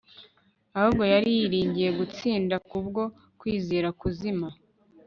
ahubwo yari yiringiye gutsinda kubwo kwizera kuzima